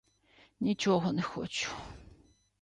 — Нічого не хочу.